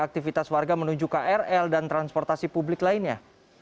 aktivitas warga menuju krl dan transportasi publik lainnya